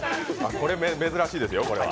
これ珍しいですよ、これは。